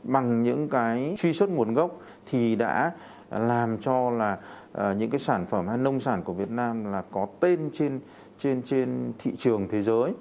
bằng những cái truy xuất nguồn gốc thì đã làm cho là những cái sản phẩm nông sản của việt nam là có tên trên thị trường thế giới